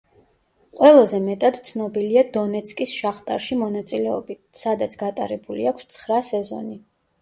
ყველაზე მეტად ცნობილია დონეცკის შახტარში მონაწილეობით, სადაც გატარებული აქვს ცხრა სეზონი.